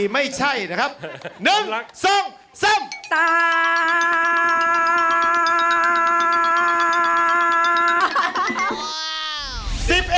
๔ไม่ใช่นะครับ